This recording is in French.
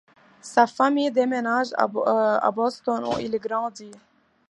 Sa famille déménage à Boston où il grandit.